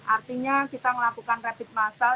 artinya kita melakukan rapid massal